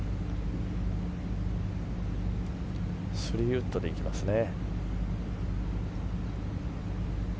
３ウッドでいきますね。